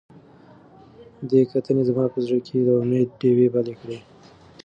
دې کتنې زما په زړه کې د امید ډیوې بلې کړې.